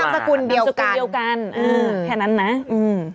ให้นามสกุลเดียวกันเหมือนนั้นนะอืม